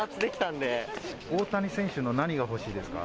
大谷選手の何が欲しいですか。